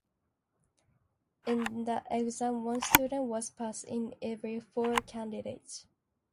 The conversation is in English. In that exam, one student was passed in every four candidates.